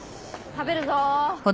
食べるぞ！